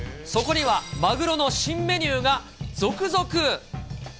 そこにはマグロの新メニューが続々。